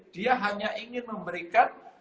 dia hanya ingin memberikan